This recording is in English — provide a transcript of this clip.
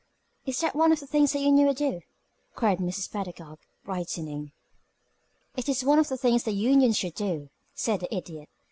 "Is that one of the things the union would do?" queried Mrs. Pedagog, brightening. "It is one of the things the union should do," said the Idiot.